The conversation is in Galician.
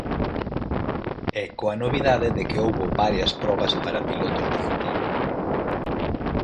E coa novidade de que houbo varias probas para pilotos de futuro.